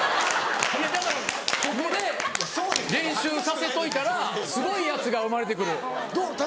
いやだからここで練習させといたらすごいヤツが生まれて来る。